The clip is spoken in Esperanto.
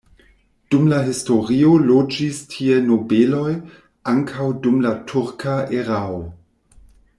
Dum la historio loĝis tie nobeloj, ankaŭ dum la turka erao.